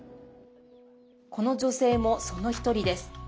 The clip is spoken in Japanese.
この女性も、その１人です。